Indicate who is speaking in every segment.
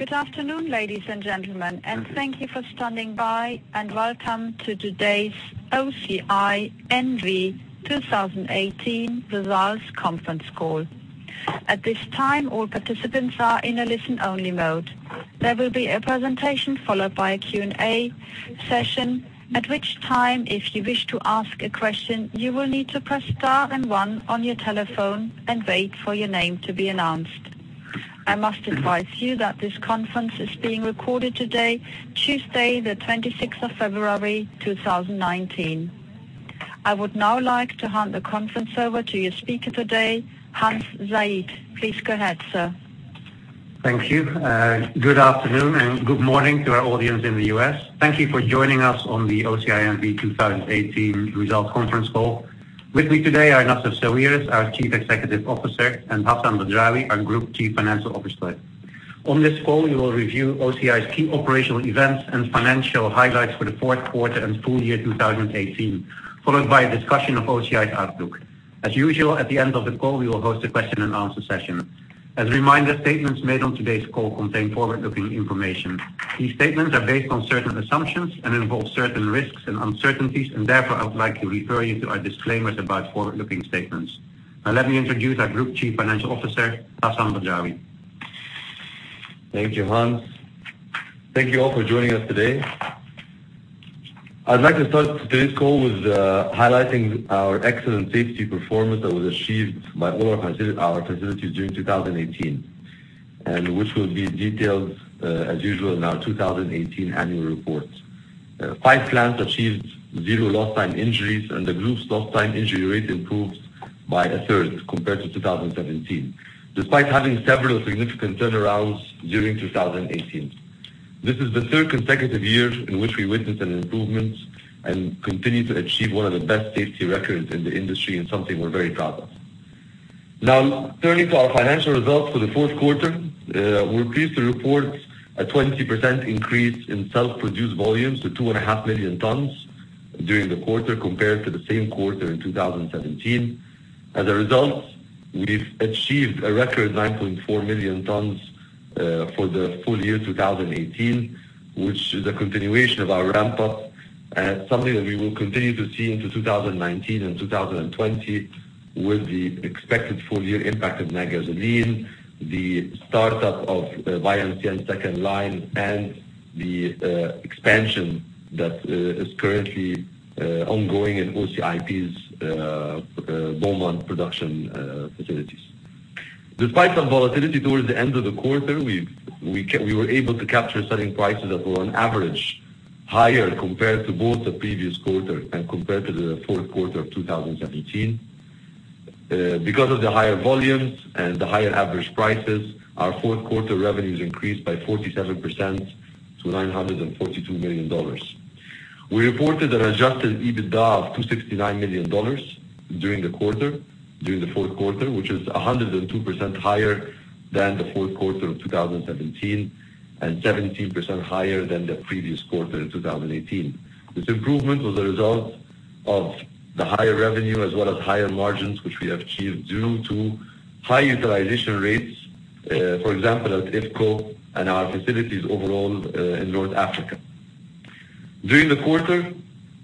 Speaker 1: Good afternoon, ladies and gentlemen, thank you for standing by, and welcome to today's OCI N.V. 2018 Results Conference Call. At this time, all participants are in a listen-only mode. There will be a presentation followed by a Q&A session, at which time, if you wish to ask a question, you will need to press star and one on your telephone and wait for your name to be announced. I must advise you that this conference is being recorded today, Tuesday, the 26th of February, 2019. I would now like to hand the conference over to your speaker today, Hans Zijderveld. Please go ahead, sir.
Speaker 2: Thank you. Good afternoon, and good morning to our audience in the U.S. Thank you for joining us on the OCI N.V. 2018 Results Conference Call. With me today are Nassef Sawiris, our Chief Executive Officer, and Hassan Badrawi, our Group Chief Financial Officer. On this call, we will review OCI's key operational events and financial highlights for the fourth quarter and full year 2018, followed by a discussion of OCI's outlook. As usual, at the end of the call, we will host a question and answer session. As a reminder, statements made on today's call contain forward-looking information. These statements are based on certain assumptions and involve certain risks and uncertainties, and therefore, I would like to refer you to our disclaimers about forward-looking statements. Now, let me introduce our Group Chief Financial Officer, Hassan Badrawi.
Speaker 3: Thank you, Hans. Thank you all for joining us today. I'd like to start today's call with highlighting our excellent safety performance that was achieved by all our facilities during 2018, and which will be detailed as usual in our 2018 annual report. Five plants achieved zero lost-time injuries, and the group's lost-time injury rate improved by a third compared to 2017, despite having several significant turnarounds during 2018. This is the third consecutive year in which we witnessed an improvement and continue to achieve one of the best safety records in the industry and something we're very proud of. Now, turning to our financial results for the fourth quarter. We're pleased to report a 20% increase in self-produced volumes to two and a half million tonnes during the quarter, compared to the same quarter in 2017. As a result, we've achieved a record 9.4 million tonnes for the full year 2018, which is a continuation of our ramp-up and something that we will continue to see into 2019 and 2020 with the expected full-year impact of Natgasoline, the start-up of Vianen second line, and the expansion that is currently ongoing in OCI Beaumont production facilities. Despite some volatility towards the end of the quarter, we were able to capture selling prices that were on average higher compared to both the previous quarter and compared to the fourth quarter of 2017. Because of the higher volumes and the higher average prices, our fourth quarter revenues increased by 47% to $942 million. We reported an adjusted EBITDA of $269 million during the fourth quarter, which is 102% higher than the fourth quarter of 2017 and 17% higher than the previous quarter in 2018. This improvement was a result of the higher revenue as well as higher margins, which we have achieved due to high utilization rates. For example, at IFCO and our facilities overall in North Africa. During the quarter,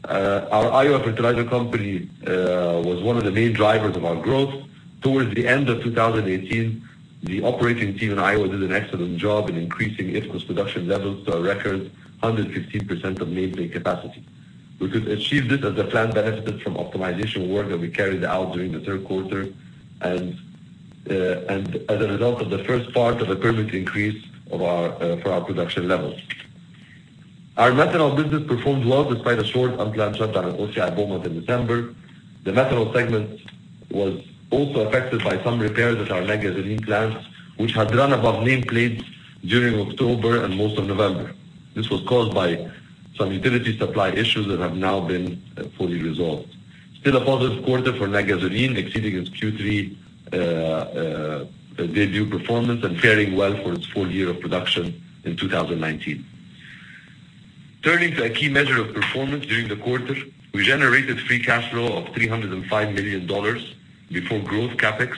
Speaker 3: our Iowa Fertilizer Company was one of the main drivers of our growth. Towards the end of 2018, the operating team in Iowa did an excellent job in increasing IFCO's production levels to a record 115% of nameplate capacity. We could achieve this as the plant benefited from optimization work that we carried out during the third quarter and as a result of the first part of a permanent increase for our production levels. Our methanol business performed well despite a short unplanned shutdown at OCI Beaumont in December. The methanol segment was also affected by some repairs at our Natgasoline plant, which had run above nameplate during October and most of November. This was caused by some utility supply issues that have now been fully resolved. Still a positive quarter for Natgasoline, exceeding its Q3 debut performance and faring well for its full year of production in 2019. Turning to a key measure of performance during the quarter. We generated free cash flow of $305 million before growth CapEx,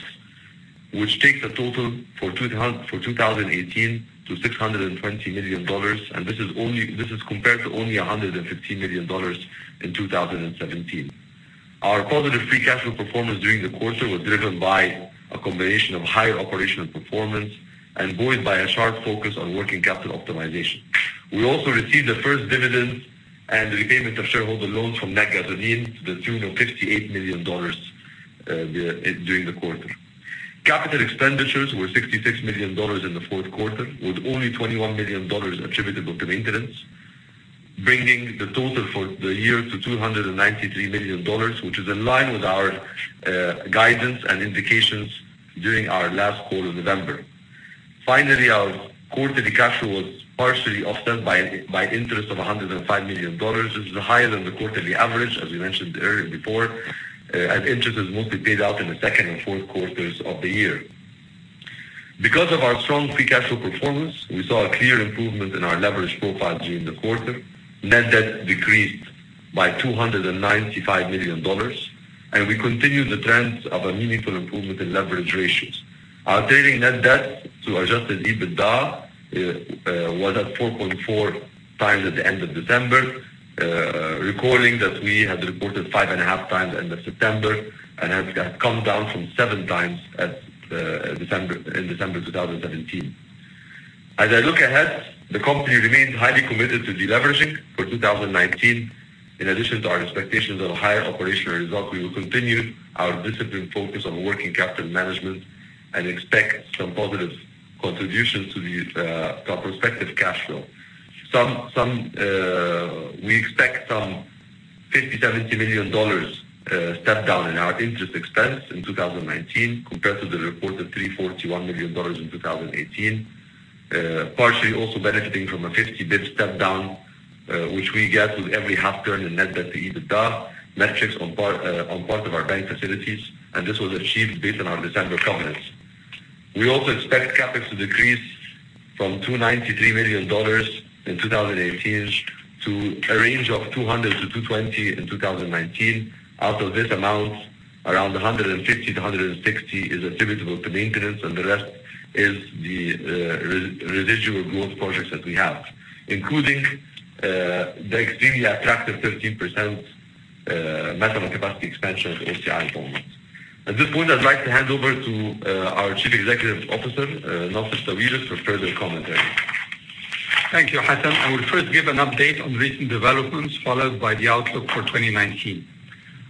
Speaker 3: which takes the total for 2018 to $620 million, and this is compared to only $115 million in 2017. Our positive free cash flow performance during the quarter was driven by a combination of higher operational performance and buoyed by a sharp focus on working capital optimization. We also received the first dividends and repayment of shareholder loans from Natgasoline to the tune of $58 million during the quarter. Capital expenditures were $66 million in the fourth quarter, with only $21 million attributable to maintenance, bringing the total for the year to $293 million, which is in line with our guidance and indications during our last call in November. Finally, our quarterly cash flow was partially offset by interest of $105 million. This is higher than the quarterly average, as we mentioned earlier before, and interest is mostly paid out in the second and fourth quarters of the year. Because of our strong free cash flow performance, we saw a clear improvement in our leverage profile during the quarter. Net debt decreased by $295 million. We continue the trends of a meaningful improvement in leverage ratios. Our trading net debt to adjusted EBITDA was at 4.4 times at the end of December, recalling that we had reported 5.5 times end of September, and has come down from seven times in December 2017. As I look ahead, the company remains highly committed to deleveraging for 2019. In addition to our expectations of higher operational results, we will continue our disciplined focus on working capital management and expect some positive contributions to our prospective cash flow. We expect some $50 million-$70 million step down in our interest expense in 2019 compared to the reported $341 million in 2018. Partially also benefiting from a 50 basis points step down, which we get with every half turn in net debt to EBITDA metrics on part of our bank facilities, and this was achieved based on our December covenants. We also expect CapEx to decrease from $293 million in 2018 to a range of $200 million to $220 million in 2019. Out of this amount, around $150 million to $160 million is attributable to maintenance and the rest is the residual growth projects that we have, including the extremely attractive 13% methanol capacity expansion at OCI Beaumont. At this point, I'd like to hand over to our Chief Executive Officer, Nassef Sawiris, for further commentary.
Speaker 4: Thank you, Hassan. I will first give an update on recent developments, followed by the outlook for 2019.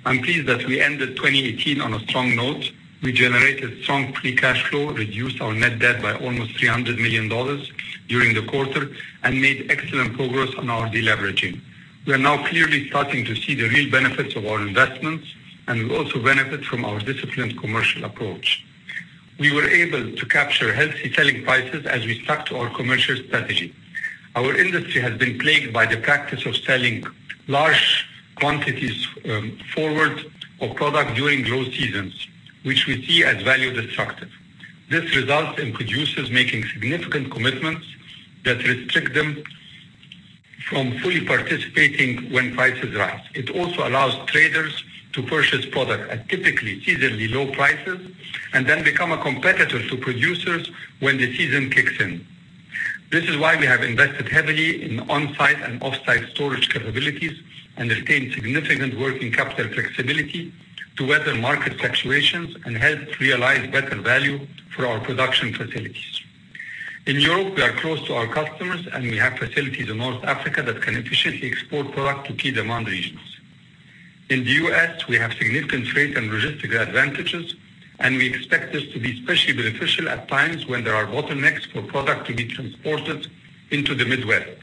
Speaker 4: I'm pleased that we ended 2018 on a strong note. We generated strong free cash flow, reduced our net debt by almost $300 million during the quarter, and made excellent progress on our deleveraging. We are now clearly starting to see the real benefits of our investments, and we also benefit from our disciplined commercial approach. We were able to capture healthy selling prices as we stuck to our commercial strategy. Our industry has been plagued by the practice of selling large quantities forward of product during low seasons, which we see as value destructive. This results in producers making significant commitments that restrict them from fully participating when prices rise. It also allows traders to purchase product at typically seasonally low prices, and then become a competitor to producers when the season kicks in. This is why we have invested heavily in on-site and off-site storage capabilities and retained significant working capital flexibility to weather market fluctuations and help realize better value for our production facilities. In Europe, we are close to our customers, and we have facilities in North Africa that can efficiently export product to key demand regions. In the U.S., we have significant freight and logistical advantages, and we expect this to be especially beneficial at times when there are bottlenecks for product to be transported into the Midwest.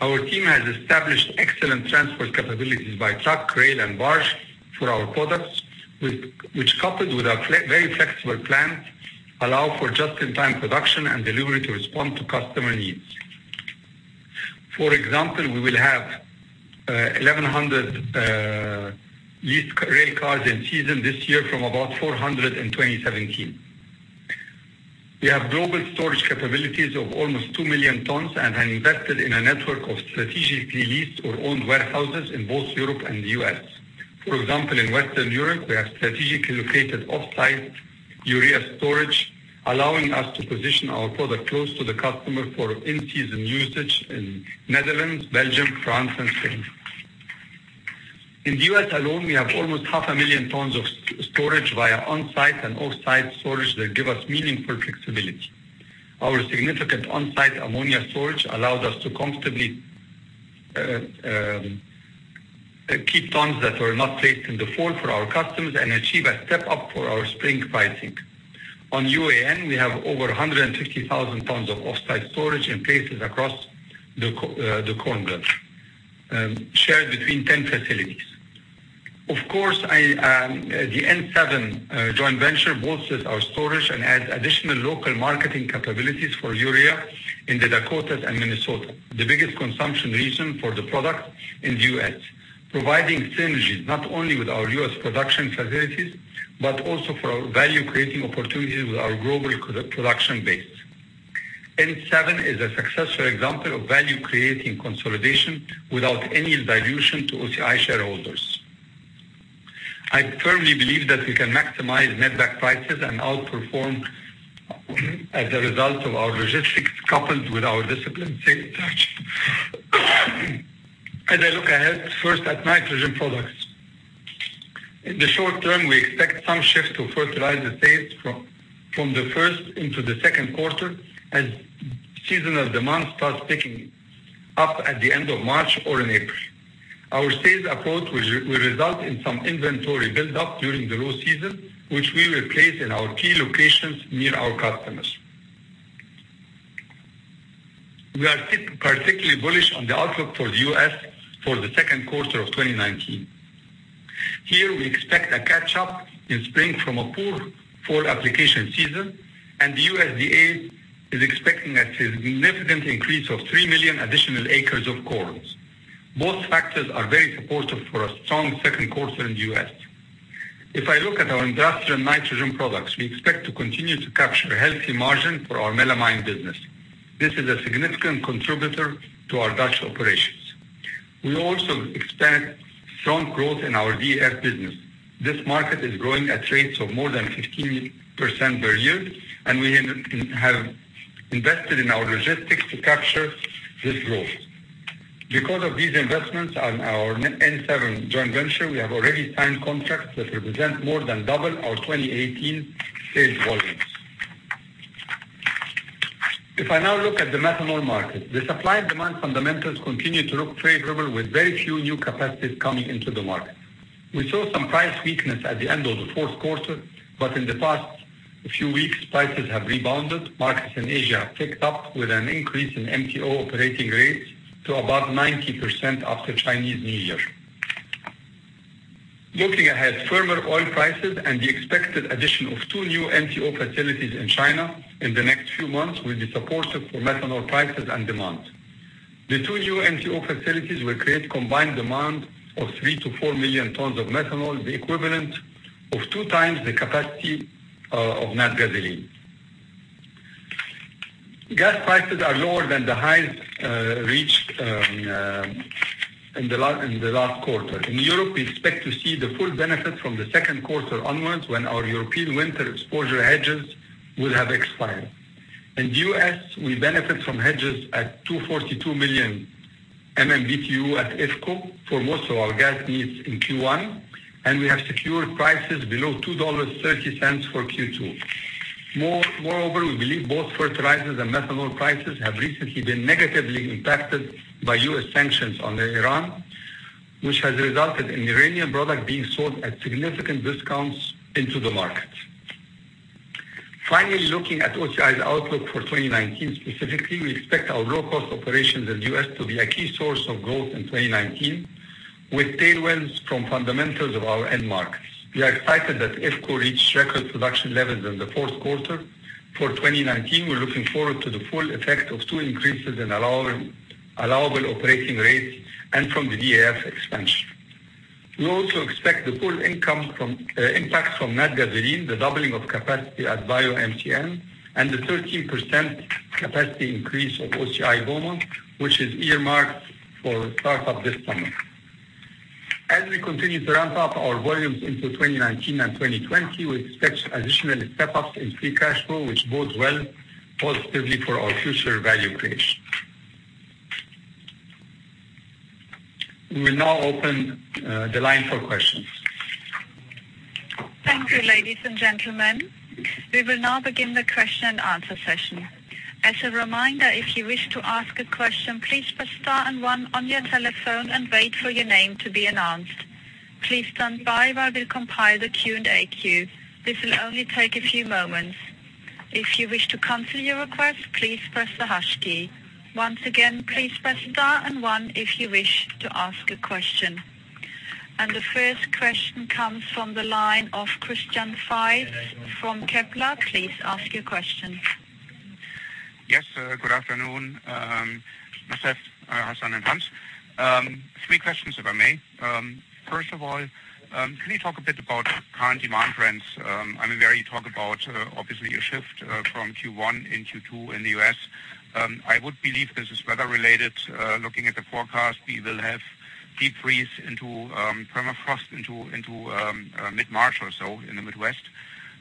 Speaker 4: Our team has established excellent transport capabilities by truck, rail, and barge for our products, which coupled with our very flexible plant, allow for just-in-time production and delivery to respond to customer needs. For example, we will have 1,100 leased rail cars in season this year from about 400 in 2017. We have global storage capabilities of almost two million tons and have invested in a network of strategically leased or owned warehouses in both Europe and the U.S. For example, in Western Europe, we have strategically located off-site urea storage, allowing us to position our product close to the customer for in-season usage in Netherlands, Belgium, France, and Spain. In the U.S. alone, we have almost half a million tons of storage via on-site and off-site storage that give us meaningful flexibility. Our significant on-site ammonia storage allows us to comfortably keep tons that were not placed in the fall for our customers and achieve a step-up for our spring pricing. On UAN, we have over 150,000 tons of off-site storage in places across the Corn Belt, shared between 10 facilities. Of course, the N-7 joint venture bolsters our storage and adds additional local marketing capabilities for urea in the Dakotas and Minnesota, the biggest consumption region for the product in the U.S., providing synergies not only with our U.S. production facilities, but also for our value-creating opportunities with our global production base. N-7 is a successful example of value-creating consolidation without any dilution to OCI shareholders. I firmly believe that we can maximize net back prices and outperform as a result of our logistics coupled with our discipline. As I look ahead first at nitrogen products. In the short term, we expect some shift to fertilizer sales from the first into the second quarter as seasonal demand starts picking up at the end of March or in April. Our sales approach will result in some inventory build-up during the low season, which we will place in our key locations near our customers. We are particularly bullish on the outlook for the U.S. for the second quarter of 2019. Here, we expect a catch-up in spring from a poor fall application season, and the USDA is expecting a significant increase of three million additional acres of corn. Both factors are very supportive for a strong second quarter in the U.S. If I look at our industrial nitrogen products, we expect to continue to capture a healthy margin for our melamine business. This is a significant contributor to our Dutch operations. We also expect strong growth in our DEF business. This market is growing at rates of more than 15% per year, and we have invested in our logistics to capture this growth. Because of these investments on our N-7 joint venture, we have already signed contracts that represent more than double our 2018 sales volumes. If I now look at the methanol market, the supply and demand fundamentals continue to look favorable with very few new capacities coming into the market. We saw some price weakness at the end of the fourth quarter, but in the past few weeks, prices have rebounded. Markets in Asia have picked up with an increase in MTO operating rates to above 90% after Chinese New Year. Looking ahead, firmer oil prices and the expected addition of two new MTO facilities in China in the next few months will be supportive for methanol prices and demand. The two new MTO facilities will create combined demand of three million-4 million tons of methanol, the equivalent of two times the capacity of Natgasoline. Gas prices are lower than the highs, reached in the last quarter. In Europe, we expect to see the full benefit from the second quarter onwards, when our European winter exposure hedges will have expired. In the U.S., we benefit from hedges at 242 million MMBtu at IFCO for most of our gas needs in Q1. We have secured prices below $2.30 for Q2. Moreover, we believe both fertilizers and methanol prices have recently been negatively impacted by U.S. sanctions on Iran, which has resulted in Iranian product being sold at significant discounts into the market. Finally, looking at OCI's outlook for 2019 specifically, we expect our low-cost operations in the U.S. to be a key source of growth in 2019, with tailwinds from fundamentals of our end markets. We are excited that IFCO reached record production levels in the fourth quarter. For 2019, we're looking forward to the full effect of two increases in allowable operating rates and from the DF expansion. We also expect the full impact from Natgasoline, the doubling of capacity at BioMCN, and the 13% capacity increase of OCI Beaumont, which is earmarked for start-up this summer. As we continue to ramp up our volumes into 2019 and 2020, we expect additional step-ups in free cash flow, which bodes well positively for our future value creation. We will now open the line for questions.
Speaker 1: Thank you, ladies and gentlemen. We will now begin the question and answer session. As a reminder, if you wish to ask a question, please press star and one on your telephone and wait for your name to be announced. Please stand by while we compile the Q&A queue. This will only take a few moments. If you wish to cancel your request, please press the hash key. Once again, please press star and one if you wish to ask a question. The first question comes from the line of Christian Faitz from Kepler. Please ask your question.
Speaker 5: Yes, good afternoon, Nassef, Hassan, and Hans. Three questions, if I may. First of all, can you talk a bit about current demand trends? I mean, where you talk about, obviously, a shift from Q1 and Q2 in the U.S. I would believe this is weather-related. Looking at the forecast, we will have deep freeze into, permafrost into mid-March or so in the Midwest.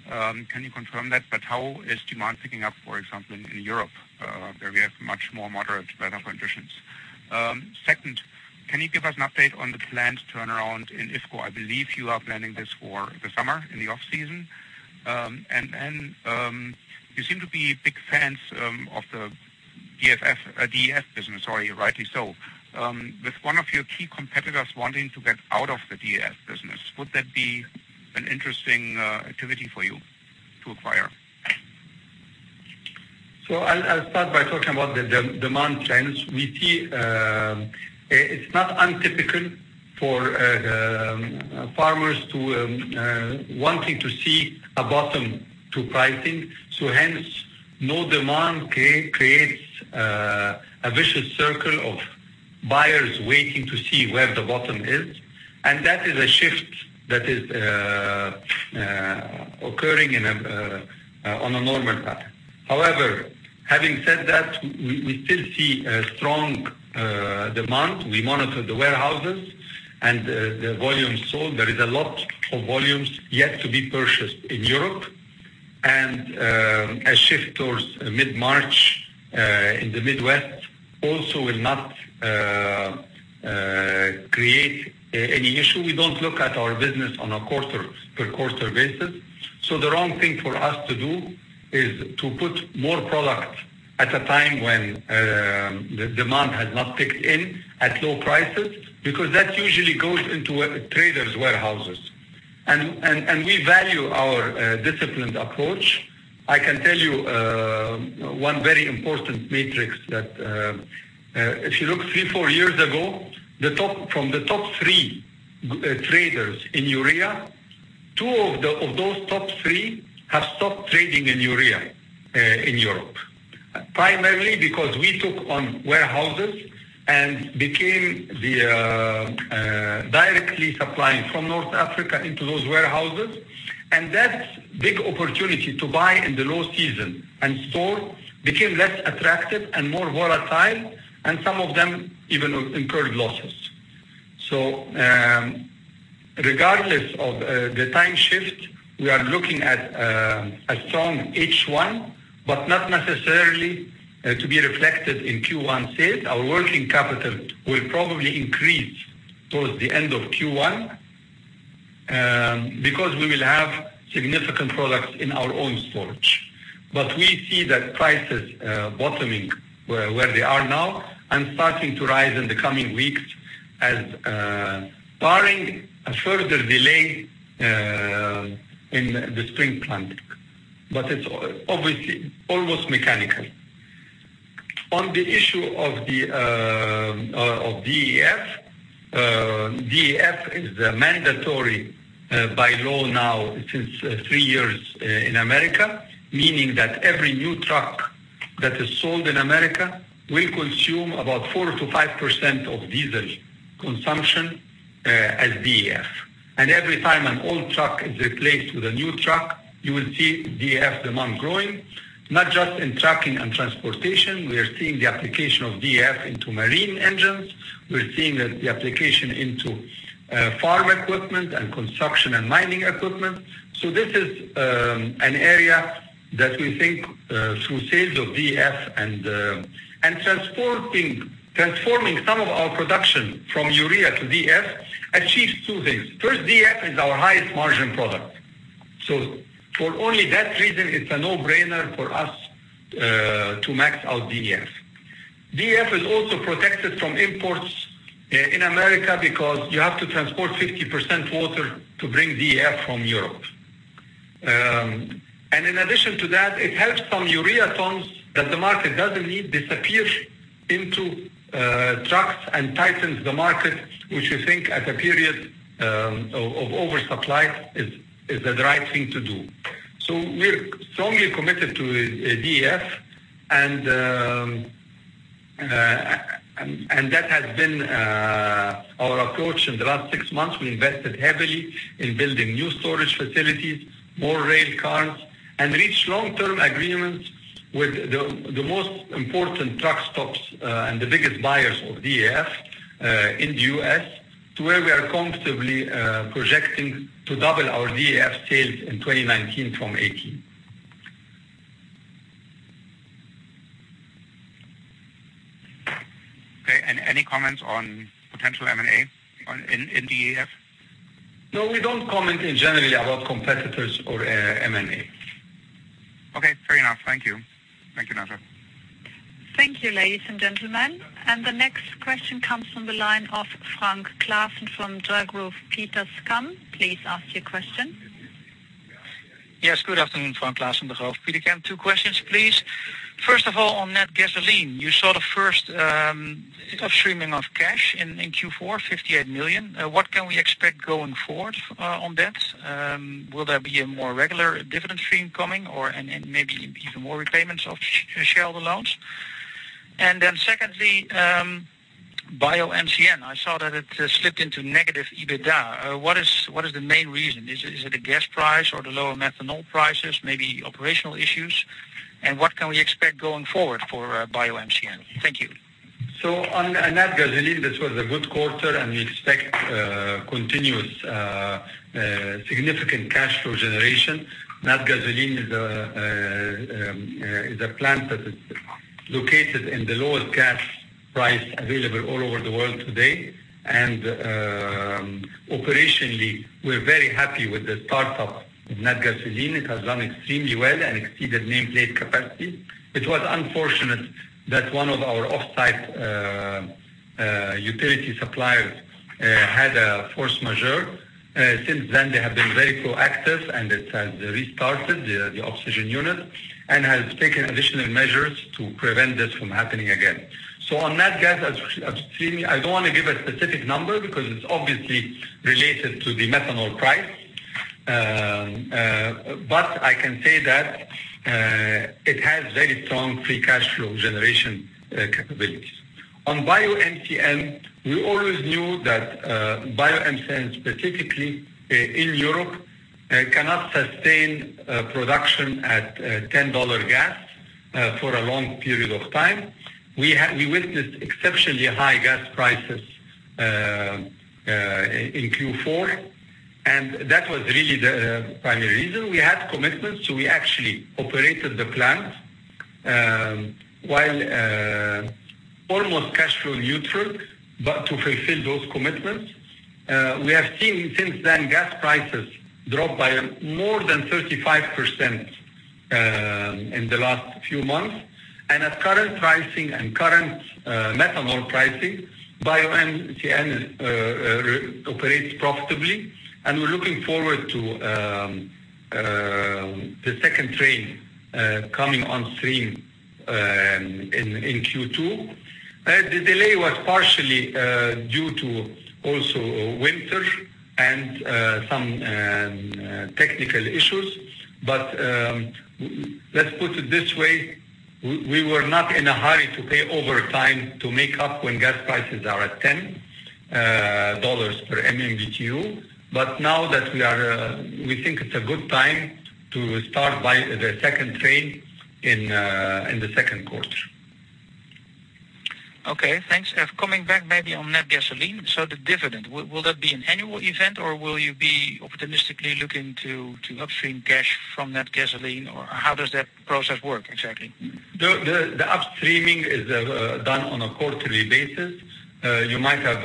Speaker 5: Can you confirm that? How is demand picking up, for example, in Europe, where we have much more moderate weather conditions? Second, can you give us an update on the planned turnaround in IFCO? I believe you are planning this for the summer in the off-season. You seem to be big fans of the DF business, rightly so.
Speaker 4: I'll start by talking about the demand trends. We see it's not untypical for farmers wanting to see a bottom to pricing. Hence, no demand creates a vicious circle of buyers waiting to see where the bottom is, and that is a shift that is occurring on a normal pattern. However, having said that, we still see a strong demand. We monitor the warehouses and the volume sold. There is a lot of volumes yet to be purchased in Europe. A shift towards mid-March in the Midwest also will not create any issue. We don't look at our business on a per quarter basis. The wrong thing for us to do is to put more product at a time when the demand has not kicked in at low prices, because that usually goes into a trader's warehouses. We value our disciplined approach. I can tell you one very important metric that if you look three, four years ago, from the top three traders in urea, two of those top three have stopped trading in urea in Europe. Primarily because we took on warehouses and became directly supplying from North Africa into those warehouses. That big opportunity to buy in the low season and store became less attractive and more volatile, and some of them even incurred losses. Regardless of the time shift, we are looking at a strong H1, but not necessarily to be reflected in Q1 sales. Our working capital will probably increase towards the end of Q1 because we will have significant products in our own storage. We see that prices bottoming where they are now and starting to rise in the coming weeks as barring a further delay in the spring planting. It's obviously almost mechanical. On the issue of DEF is mandatory by law now since three years in America, meaning that every new truck that is sold in America will consume about 4%-5% of diesel consumption as DEF. Every time an old truck is replaced with a new truck, you will see DEF demand growing, not just in trucking and transportation. We are seeing the application of DEF into marine engines. We're seeing the application into farm equipment and construction and mining equipment. This is an area that we think through sales of DEF and transforming some of our production from urea to DEF achieves two things. First, DEF is our highest margin product. For only that reason, it's a no-brainer for us to max out DEF. DEF is also protected from imports in America because you have to transport 50% water to bring DEF from Europe. In addition to that, it helps some urea tons that the market doesn't need disappear into trucks and tightens the market, which we think at a period of oversupply is the right thing to do. We're strongly committed to DEF, and that has been our approach in the last six months. We invested heavily in building new storage facilities, more rail cars, and reached long-term agreements with the most important truck stops and the biggest buyers of DEF in the U.S., to where we are comfortably projecting to double our DEF sales in 2019 from 2018.
Speaker 5: Okay, any comments on potential M&A in DEF?
Speaker 4: No, we don't comment generally about competitors or M&A.
Speaker 5: Okay, fair enough. Thank you. Thank you, Nassef.
Speaker 1: Thank you, ladies and gentlemen. The next question comes from the line of Frank Claassen from Degroof Petercam. Please ask your question.
Speaker 6: Yes, good afternoon, Frank Claassen, Degroof Petercam. Two questions, please. First of all, on Natgasoline, you saw the first of streaming of cash in Q4, $58 million. What can we expect going forward on that? Will there be a more regular dividend stream coming or, maybe even more repayments of shareholder loans? Then secondly, BioMCN. I saw that it slipped into negative EBITDA. What is the main reason? Is it the gas price or the lower methanol prices? Maybe operational issues? What can we expect going forward for BioMCN? Thank you.
Speaker 4: On Natgasoline, this was a good quarter, and we expect continuous significant cash flow generation. Natgasoline is a plant that is located in the lowest gas price available all over the world today. Operationally, we're very happy with the start-up of Natgasoline. It has done extremely well and exceeded nameplate capacity. It was unfortunate that one of our offsite utility suppliers had a force majeure. Since then, they have been very proactive, and it has restarted the oxygen unit and has taken additional measures to prevent this from happening again. On Natgas, I don't want to give a specific number because it's obviously related to the methanol price. I can say that it has very strong free cash flow generation capabilities. On BioMCN, we always knew that BioMCN, specifically in Europe, cannot sustain production at $10 gas for a long period of time. We witnessed exceptionally high gas prices in Q4, that was really the primary reason. We had commitments, we actually operated the plant while almost cash flow neutral, to fulfill those commitments. We have seen since then gas prices drop by more than 35% in the last few months. At current pricing and current methanol pricing, BioMCN operates profitably, and we're looking forward to the second train coming on stream in Q2. The delay was partially due to also winter and some technical issues. Let's put it this way, we were not in a hurry to pay overtime to make up when gas prices are at $10 per MMBtu. Now that we think it's a good time to start by the second train in the second quarter.
Speaker 6: Okay, thanks. Coming back maybe on Natgasoline, the dividend, will that be an annual event or will you be optimistically looking to upstream cash from Natgasoline? How does that process work exactly?
Speaker 4: The upstreaming is done on a quarterly basis. You might have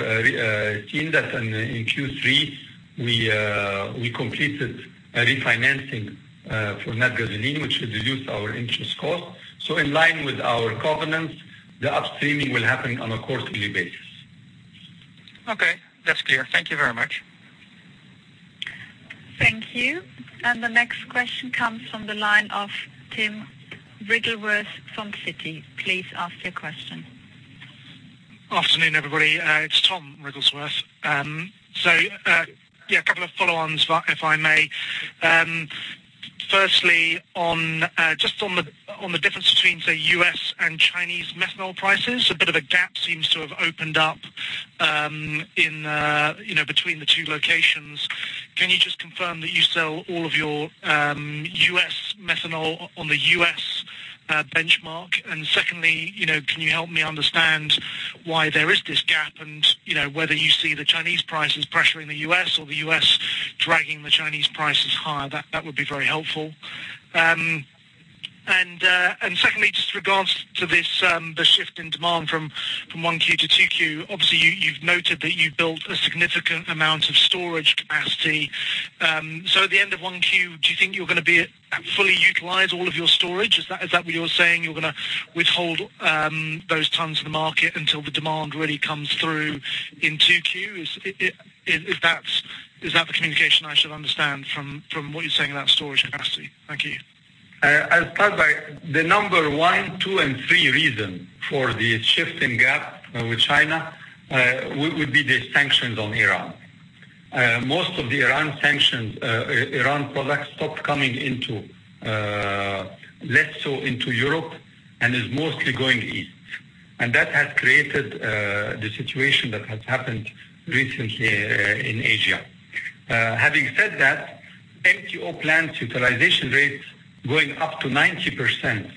Speaker 4: seen that in Q3, we completed a refinancing for Natgasoline, which reduced our interest cost. In line with our covenants, the upstreaming will happen on a quarterly basis.
Speaker 6: Okay, that's clear. Thank you very much.
Speaker 1: Thank you. The next question comes from the line of Tom Wrigglesworth from Citi. Please ask your question.
Speaker 7: Afternoon, everybody. It's Tom Wrigglesworth. A couple of follow-ons, if I may. Firstly, just on the difference between the U.S. and Chinese methanol prices, a bit of a gap seems to have opened up between the two locations. Can you just confirm that you sell all of your U.S. methanol on the U.S. benchmark? Secondly, can you help me understand why there is this gap and whether you see the Chinese prices pressuring the U.S. or the U.S. dragging the Chinese prices higher? That would be very helpful. Secondly, just regards to the shift in demand from one Q to two Q, obviously, you've noted that you've built a significant amount of storage capacity. At the end of one Q, do you think you're going to be at fully utilize all of your storage? Is that what you're saying, you're going to withhold those tons to the market until the demand really comes through in two Qs? Is that the communication I should understand from what you're saying about storage capacity? Thank you.
Speaker 4: I'll start by the number one, two, and three reason for the shift in gap with China would be the sanctions on Iran. Most of the Iran products stopped coming into, less so into Europe and is mostly going east. That has created the situation that has happened recently in Asia. Having said that, MTO plants utilization rates going up to 90%,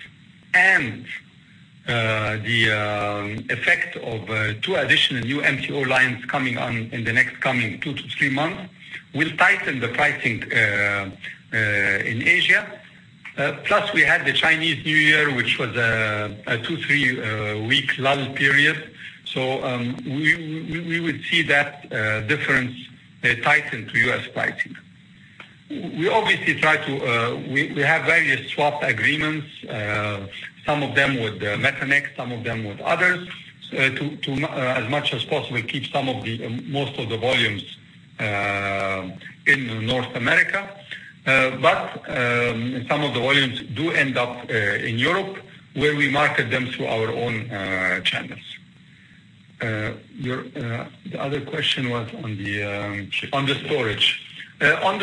Speaker 4: and the effect of two additional new MTO lines coming on in the next coming two to three months will tighten the pricing in Asia. We had the Chinese New Year, which was a two, three-week lull period. We would see that difference tighten to U.S. pricing. We have various swap agreements. Some of them with Methanex, some of them with others, to as much as possible keep most of the volumes in North America. Some of the volumes do end up in Europe, where we market them through our own channels.
Speaker 7: Shift.
Speaker 4: On the storage, demand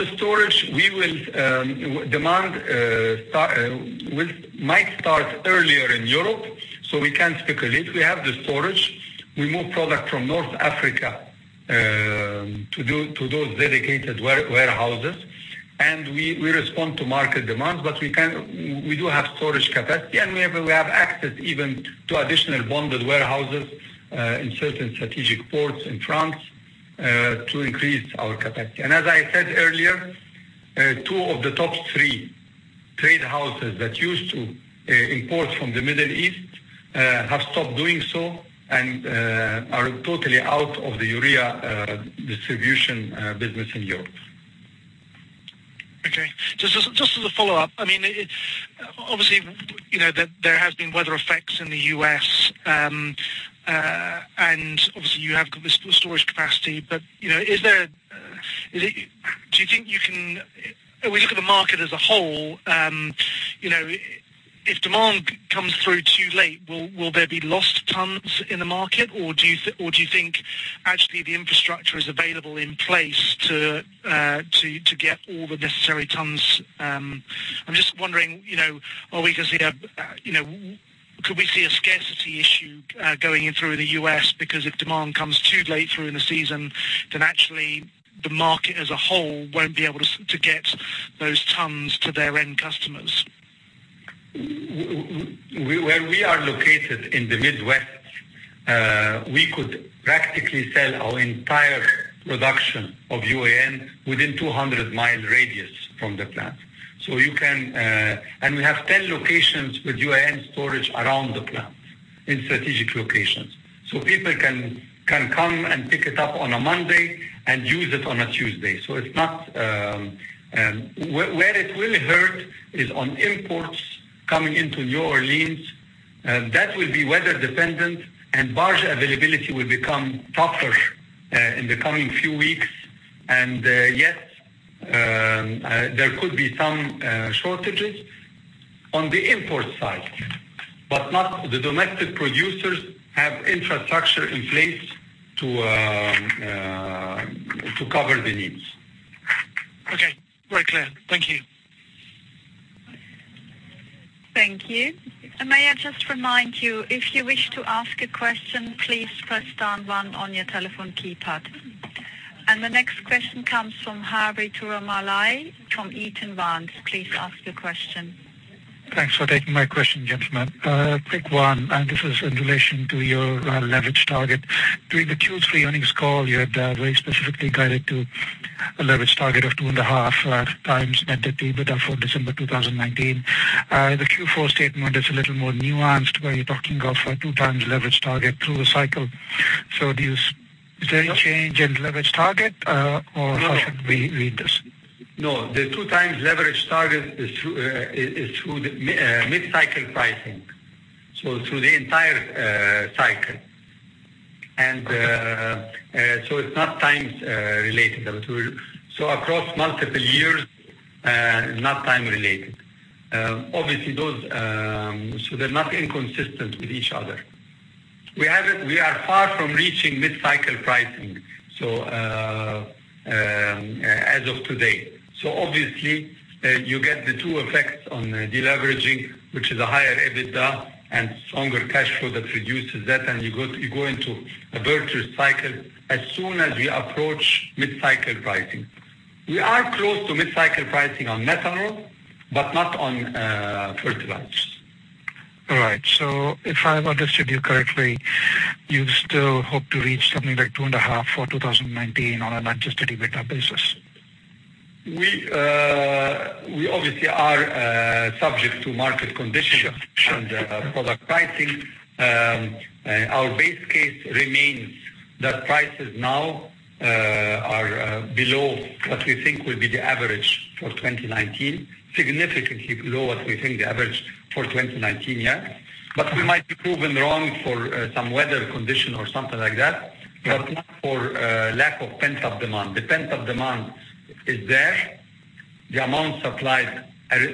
Speaker 4: might start earlier in Europe. We can't speculate. We have the storage. We move product from North Africa to those dedicated warehouses, and we respond to market demand. We do have storage capacity, and we have access even to additional bonded warehouses in certain strategic ports in France to increase our capacity. As I said earlier, two of the top three trade houses that used to import from the Middle East have stopped doing so and are totally out of the urea distribution business in Europe.
Speaker 7: Okay. Just as a follow-up, obviously, there has been weather effects in the U.S., and obviously, you have got the storage capacity. When you look at the market as a whole, if demand comes through too late, will there be lost tons in the market, or do you think actually the infrastructure is available in place to get all the necessary tons? I'm just wondering, could we see a scarcity issue going in through the U.S. because if demand comes too late through in the season, then actually the market as a whole won't be able to get those tons to their end customers?
Speaker 4: We are located in the Midwest, we could practically sell our entire production of UAN within 200-mile radius from the plant. We have 10 locations with UAN storage around the plant in strategic locations. People can come and pick it up on a Monday and use it on a Tuesday. Where it will hurt is on imports coming into New Orleans. That will be weather-dependent and barge availability will become tougher in the coming few weeks. Yes, there could be some shortages on the import side, but not the domestic producers have infrastructure in place to cover the needs.
Speaker 7: Okay. Very clear.
Speaker 1: Thank you. May I just remind you, if you wish to ask a question, please press star one on your telephone keypad. The next question comes from Hari Thirumalai from Eaton Vance. Please ask your question.
Speaker 8: Thanks for taking my question, gentlemen. Quick one, this is in relation to your leverage target. During the Q3 earnings call, you had very specifically guided to a leverage target of 2.5 times net debt EBITDA for December 2019. The Q4 statement is a little more nuanced, where you're talking of a two times leverage target through the cycle. Is there any change in leverage target or how should we read this?
Speaker 4: No. The 2x leverage target is through the mid-cycle pricing, through the entire cycle. It's not times related. Across multiple years, not time related. Obviously, they're not inconsistent with each other. We are far from reaching mid-cycle pricing as of today. Obviously, you get the two effects on deleveraging, which is a higher EBITDA and stronger cash flow that reduces debt, and you go into a virtuous cycle as soon as we approach mid-cycle pricing. We are close to mid-cycle pricing on methanol, but not on fertilizers.
Speaker 8: All right. If I understood you correctly, you still hope to reach something like 2.5x for 2019 on an adjusted EBITDA basis?
Speaker 4: We obviously are subject to market conditions and product pricing. Our base case remains that prices now are below what we think will be the average for 2019, significantly below what we think the average for 2019 year. We might be proven wrong for some weather condition or something like that, but not for lack of pent-up demand. The pent-up demand is there. The amount supplied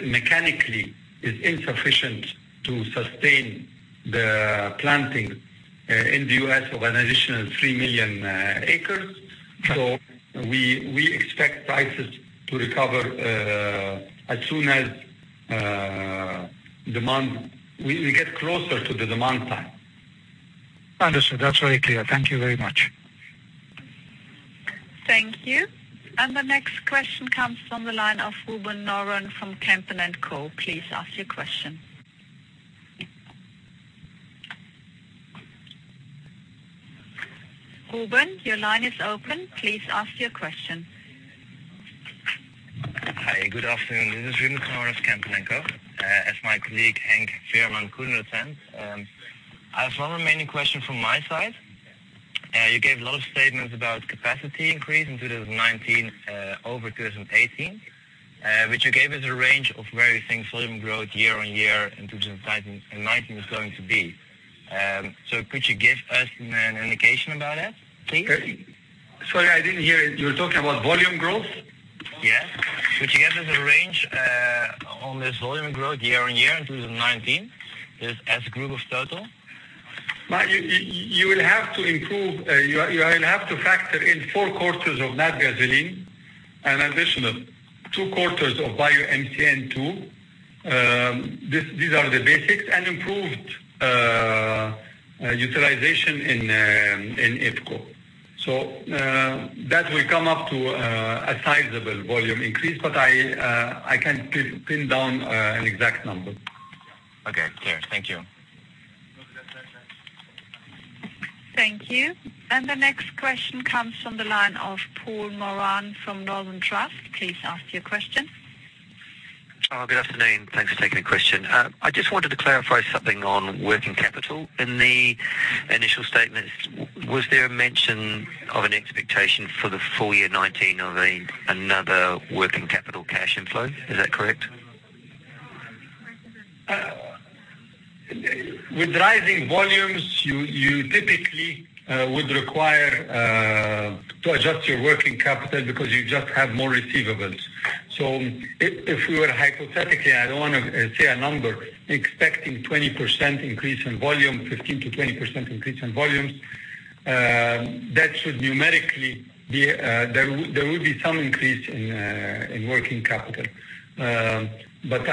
Speaker 4: mechanically is insufficient to sustain the planting in the U.S. of an additional three million acres. We expect prices to recover as soon as we get closer to the demand time.
Speaker 8: Understood. That's very clear. Thank you very much.
Speaker 1: Thank you. The next question comes from the line of Ruben Noren from Kempen & Co. Please ask your question. Ruben, your line is open. Please ask your question.
Speaker 9: Hi, good afternoon. This is Ruben Noren of Kempen & Co. As my colleague, Henk Veerman, couldn't attend, I have one remaining question from my side. You gave a lot of statements about capacity increase in 2019 over 2018, you gave us a range of where you think volume growth year-on-year in 2019 is going to be. Could you give us an indication about that, please?
Speaker 4: Sorry, I didn't hear. You're talking about volume growth?
Speaker 9: Yes. Could you give us a range on this volume growth year-on-year in 2019, as a group of total?
Speaker 4: You will have to factor in four quarters of Natgasoline, an additional two quarters of BioMCN 2. These are the basics, and improved utilization in IFCO. That will come up to a sizable volume increase, but I can't pin down an exact number.
Speaker 9: Okay. Clear. Thank you.
Speaker 1: Thank you. The next question comes from the line of Paul Moran from Northern Trust. Please ask your question.
Speaker 10: Good afternoon. Thanks for taking the question. I just wanted to clarify something on working capital. In the initial statements, was there a mention of an expectation for the full year 2019 of another working capital cash inflow? Is that correct?
Speaker 4: With rising volumes, you typically would require to adjust your working capital because you just have more receivables. If we were hypothetically, I don't want to say a number, expecting 15%-20% increase in volumes, there would be some increase in working capital. I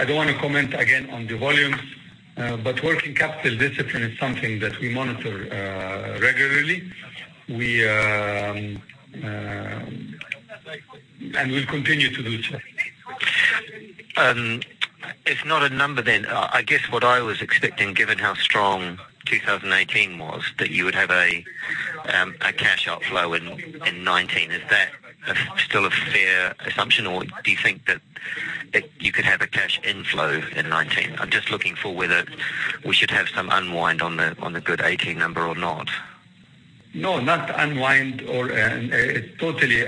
Speaker 4: don't want to comment, again, on the volumes. Working capital discipline is something that we monitor regularly, and we'll continue to do so.
Speaker 10: If not a number, then, I guess what I was expecting, given how strong 2018 was, that you would have a cash outflow in 2019. Is that still a fair assumption, or do you think that you could have a cash inflow in 2019? I'm just looking for whether we should have some unwind on the good 2018 number or not.
Speaker 4: No, not unwind. It'll be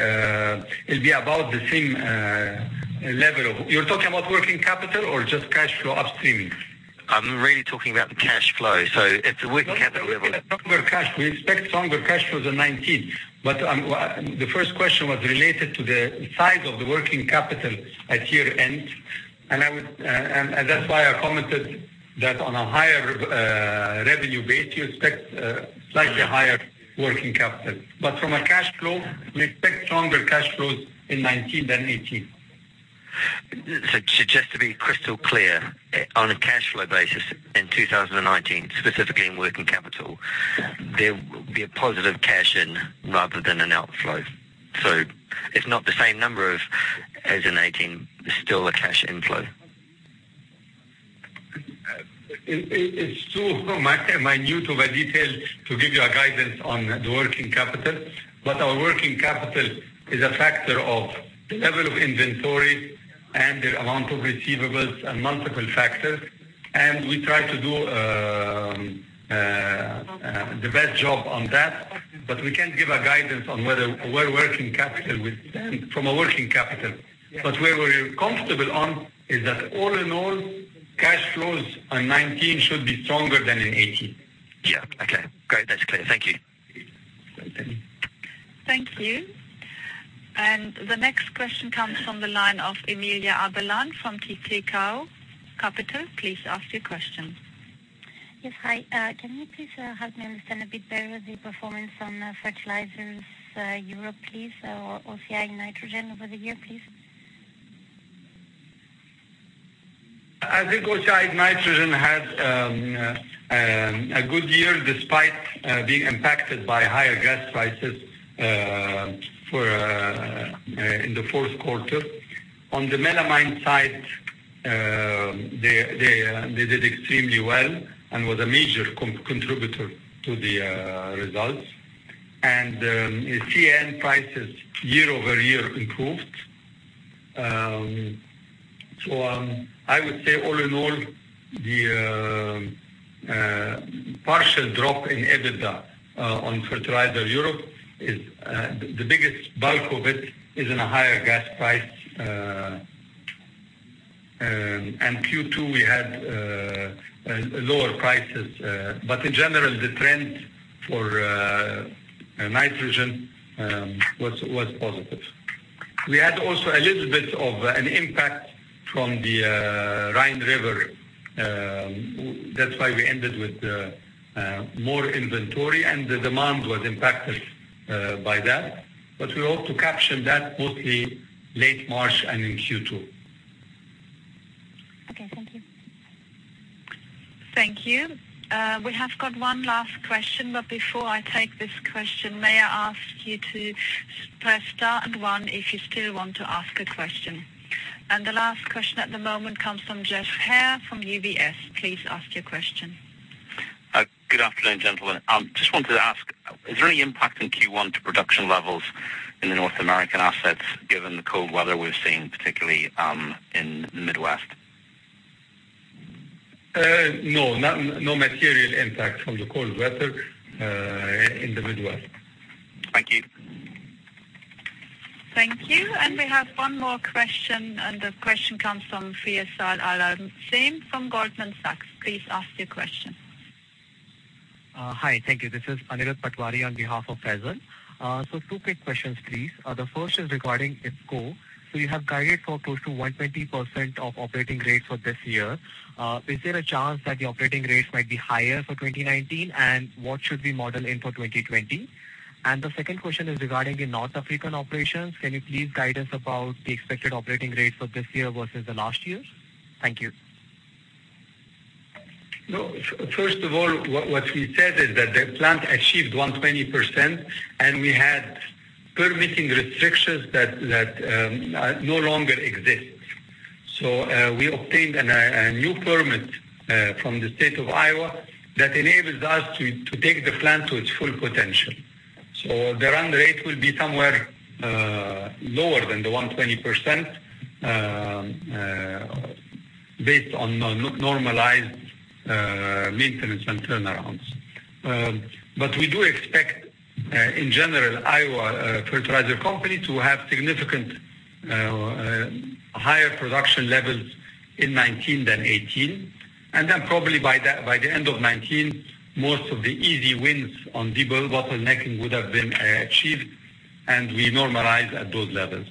Speaker 4: about the same level. You're talking about working capital or just cash flow upstreaming?
Speaker 10: I'm really talking about the cash flow. If the working capital
Speaker 4: We expect stronger cash flows in 2019. The first question was related to the size of the working capital at year-end. That's why I commented that on a higher revenue base, you expect slightly higher working capital. From a cash flow, we expect stronger cash flows in 2019 than 2018.
Speaker 10: Just to be crystal clear, on a cash flow basis in 2019, specifically in working capital, there will be a positive cash in rather than an outflow. It's not the same number as in 2018. There's still a cash inflow.
Speaker 4: It's too minute of a detail to give you a guidance on the working capital. Our working capital is a factor of the level of inventory and the amount of receivables and multiple factors, and we try to do the best job on that, but we can't give a guidance from a working capital. Where we're comfortable on is that all in all, cash flows in 2019 should be stronger than in 2018.
Speaker 10: Yeah. Okay, great. That's clear. Thank you.
Speaker 4: Okay.
Speaker 1: Thank you. The next question comes from the line of Emilia Abelev from Tikehau Capital. Please ask your question.
Speaker 11: Yes. Hi. Can you please help me understand a bit better the performance on Fertilizers Europe, or OCI Nitrogen over the year, please?
Speaker 4: I think OCI Nitrogen had a good year despite being impacted by higher gas prices in the fourth quarter. On the melamine side, they did extremely well and was a major contributor to the results. CAN prices year-over-year improved. I would say all in all, the partial drop in EBITDA, on Fertilizers Europe, the biggest bulk of it is in a higher gas price, and Q2, we had lower prices. In general, the trend for nitrogen was positive. We had also a little bit of an impact from the Rhine River. That's why we ended with more inventory, and the demand was impacted by that. We ought to capture that mostly late March and in Q2.
Speaker 11: Okay. Thank you.
Speaker 1: Thank you. We have got one last question, but before I take this question, may I ask you to press star and one if you still want to ask a question. The last question at the moment comes from Geoff Haire from UBS. Please ask your question.
Speaker 12: Good afternoon, gentlemen. Just wanted to ask, is there any impact in Q1 to production levels in the North American assets given the cold weather we've seen, particularly in the Midwest?
Speaker 4: No, no material impact from the cold weather in the Midwest.
Speaker 12: Thank you.
Speaker 1: Thank you. We have one more question. The question comes from Faisal Al Azmeh from Goldman Sachs. Please ask your question.
Speaker 13: Hi. Thank you. This is Anirudh Patwari on behalf of Faisal. Two quick questions, please. The first is regarding IFCO. You have guided for close to 120% of operating rates for this year. Is there a chance that the operating rates might be higher for 2019, and what should we model in for 2020? The second question is regarding the North African operations. Can you please guide us about the expected operating rates for this year versus the last year? Thank you.
Speaker 4: No. First of all, what we said is that the plant achieved 120%. We had permitting restrictions that no longer exist. We obtained a new permit from the state of Iowa that enables us to take the plant to its full potential. The run rate will be somewhere lower than the 120%, based on normalized maintenance and turnarounds. We do expect, in general, Iowa Fertilizer Company to have significant higher production levels in 2019 than 2018. Then probably by the end of 2019, most of the easy wins on debottlenecking would have been achieved, and we normalize at those levels.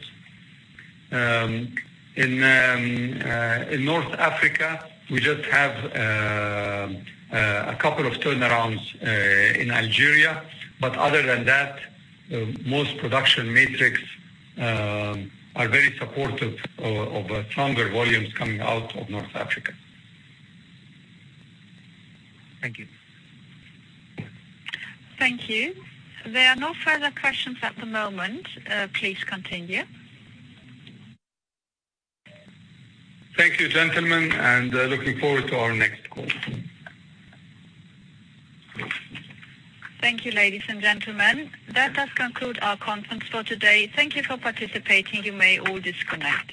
Speaker 4: In North Africa, we just have a couple of turnarounds in Algeria, but other than that, most production metrics are very supportive of stronger volumes coming out of North Africa.
Speaker 13: Thank you.
Speaker 1: Thank you. There are no further questions at the moment. Please continue.
Speaker 4: Thank you, gentlemen, and looking forward to our next call.
Speaker 1: Thank you, ladies and gentlemen. That does conclude our conference for today. Thank you for participating. You may all disconnect.